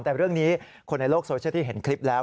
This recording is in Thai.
แต่เรื่องนี้คนในโลกโซเชียลที่เห็นคลิปแล้ว